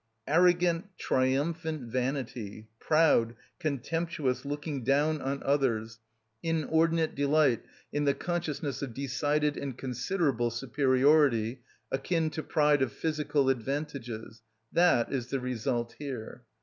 _ Arrogant, triumphant vanity, proud, contemptuous looking down on others, inordinate delight in the consciousness of decided and considerable superiority, akin to pride of physical advantages,—that is the result here.